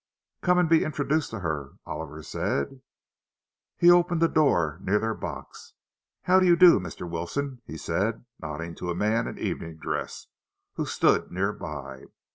"Come and be introduced to her," Oliver said. He opened a door near their box. "How do you do, Mr. Wilson," he said, nodding to a man in evening dress, who stood near by.